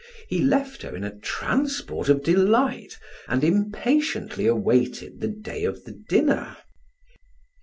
He left her in a transport of delight and impatiently awaited the day of the dinner.